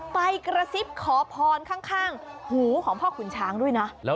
ไปกระซิบขอพรข้างหูของพ่อขุนช้างด้วยนะ